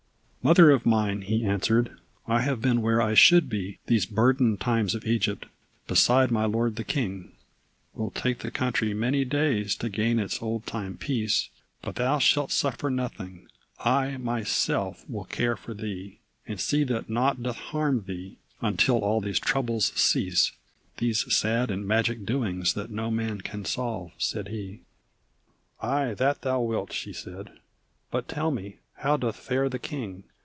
"Mother of mine," he answered, "I have been where I should be These burdened times of Egypt beside my Lord the King. "'Twill take the country many days to gain its old time peace, But thou shalt suffer nothing; I, myself, will care for thee And see that naught doth harm thee until all these troubles cease; These sad and magic doings that no man can solve," said he. "Ay! That thou wilt," she said. "But tell me, how doth fare the king?